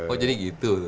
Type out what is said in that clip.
oh jadi gitu